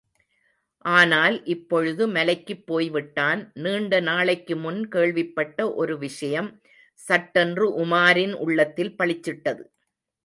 ஆனால் இப்பொழுது மலைக்குப் போய்விட்டான்! நீண்ட நாளைக்கு முன் கேள்விப்பட்ட ஒரு விஷயம், சட்டென்று உமாரின் உள்ளத்தில் பளிச்சிட்டது.